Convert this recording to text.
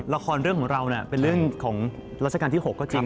ละครเรื่องของเราเป็นเรื่องของรัชกาลที่๖ก็จริง